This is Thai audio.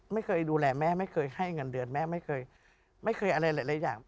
ไม่เคยดูแลแม่ไม่เคยให้เงินเดือนแม่ไม่เคยไม่เคยอะไรหลายอย่าง